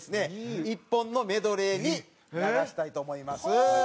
１本のメドレーに流したいと思います。